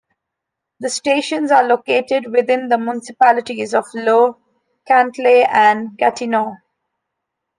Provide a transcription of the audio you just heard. The stations are located within the municipalities of Low, Cantley and Gatineau.